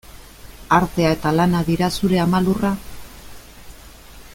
Artea eta lana dira zure ama lurra?